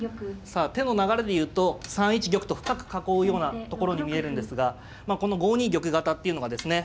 さあ手の流れで言うと３一玉と深く囲うようなところに見えるんですがこの５二玉型っていうのがですね